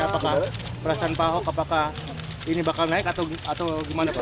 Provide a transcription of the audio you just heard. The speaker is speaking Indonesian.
apakah perasaan pak ahok apakah ini bakal naik atau gimana pak